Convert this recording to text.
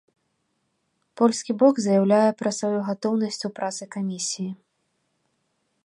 Польскі бок заяўляе пра сваю гатоўнасць у працы камісіі.